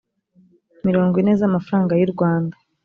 mirongo ine z amafaranga y u rwanda